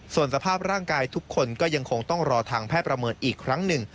ส่วนสภาพร่างกายทุกคนก็ยังคงต้องรอทางแพทย์ประเมินอีกครั้งหนึ่ง